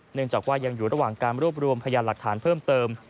เนื่องจากว่ายังอยู่ระหว่างการรวบรวมพยานหลักฐานเพิ่มเติม